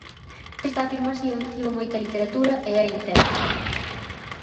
Esta afirmación tivo moita literatura e é incerta.